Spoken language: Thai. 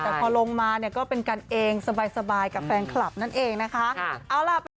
แต่พอลงมาเนี่ยก็เป็นกันเองสบายกับแฟนคลับนั่นเองนะคะ